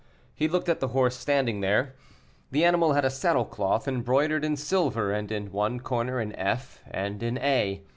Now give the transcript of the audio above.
He looked at the horse standing there. The animal had a saddle cloth embroidered in silver, and in one corner an F. and an A.